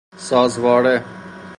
سازواره